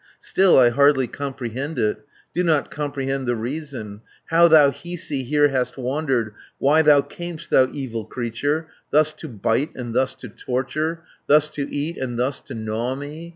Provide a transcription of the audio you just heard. "Still I hardly comprehend it, Do not comprehend the reason, How thou, Hiisi, here hast wandered, Why thou cam'st, thou evil creature, 170 Thus to bite, and thus to torture, Thus to eat, and thus to gnaw me.